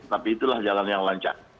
tapi itulah jalan yang lancar